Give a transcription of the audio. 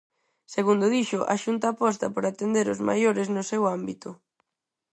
Segundo dixo, a Xunta aposta por atender os maiores no seu ámbito.